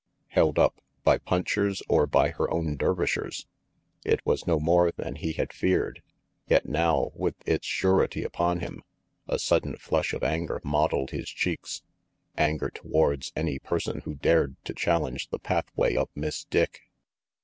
Held up, by punchers or by her own Dervishers? It was no more than he had feared; yet now, with its surety upon him, a sudden flush of anger mottled his cheeks. Anger towards any person who dared to challenge the pathway of Miss Dick!